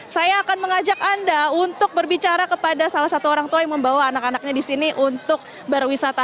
saya akan mengajak anda untuk berbicara kepada salah satu orang tua yang membawa anak anaknya di sini untuk berwisata